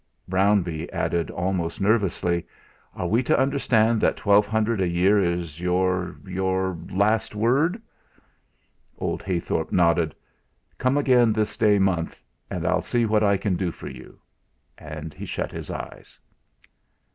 Brownbee added almost nervously: "Are we to understand that twelve hundred a year is your your last word?" Old Heythorp nodded. "Come again this day month, and I'll see what I can do for you;" and he shut his eyes.